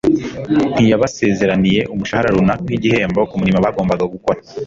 ntiyabasezeraniye umushahara runaka nk'igihembo ku murimo bagombaga gukora